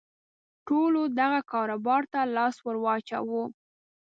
ټولو دغه کاروبار ته لاس ور واچاوه.